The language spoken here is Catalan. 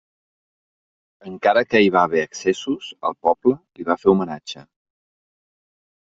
Encara que hi va haver excessos, el poble li va fer homenatge.